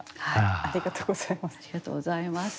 ありがとうございます。